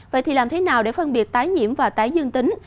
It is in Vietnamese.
vậy thì làm thế nào để phân biệt tái nhiễm và tái dương tính